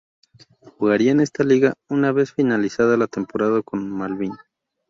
Jugaría en esta liga una vez finalizada la temporada con Malvín.